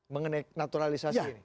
mengenai naturalisasi ini